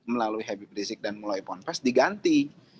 melalui habib rizik dan mulai ponpes diganti